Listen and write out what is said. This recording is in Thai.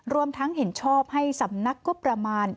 รวมทั้งเห็นชอบให้สำนักงบประมาณ